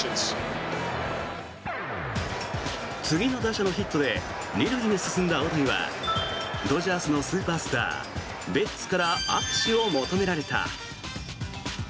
次の打者のヒットで２塁に進んだ大谷はドジャースのスーパースターベッツから握手を求められた。